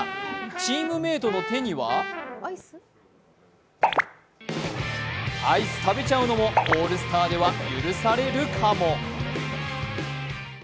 チームメートの手にはアイス食べちゃうのもオールスターでは許されるかも。